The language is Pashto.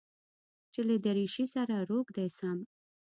چې له دريشۍ سره روږدى سم.